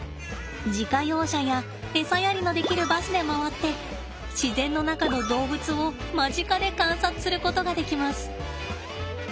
自家用車や餌やりのできるバスで回って自然の中の動物を間近で観察することができます。